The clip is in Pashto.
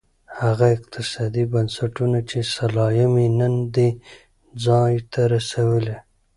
هغه اقتصادي بنسټونه چې سلایم یې نن دې ځای ته رسولی.